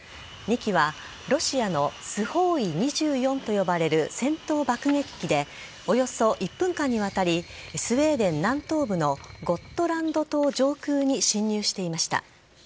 ２機はロシアのスホーイ２４と呼ばれる戦闘爆撃機でおよそ１分間にわたりスウェーデン南東部のゴットランド島上空に侵入していました。